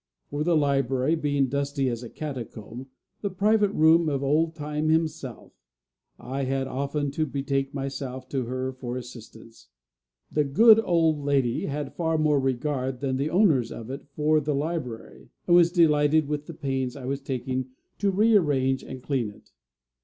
For the library being dusty as a catacomb, the private room of Old Time himself, I had often to betake myself to her for assistance. The good lady had far more regard than the owners of it for the library, and was delighted with the pains I was taking to re arrange and clean it.